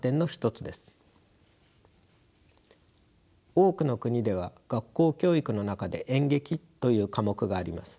多くの国では学校教育の中で演劇という科目があります。